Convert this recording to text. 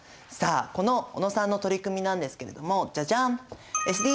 さあこの小野さんの取り組みなんですけれどもジャジャン！